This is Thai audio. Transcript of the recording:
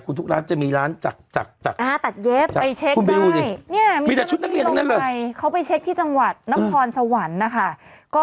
คุณทุกร้านจะมีร้านจัก